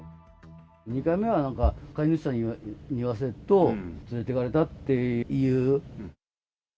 ２回目は飼い主さんに言わせると、連れてかれたっていう。